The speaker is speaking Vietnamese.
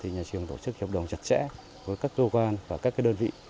nhà trường tổ chức hiệp đồng chặt chẽ với các cơ quan và các đơn vị